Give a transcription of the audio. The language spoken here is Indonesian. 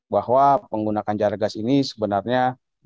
bahwa penggunaan jar gas ini sebenarnya